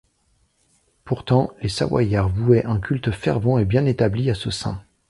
Pourtant les Savoyards vouaient un culte fervent et bien établi à ce saint.